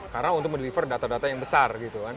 karena untuk mendeliver data data yang besar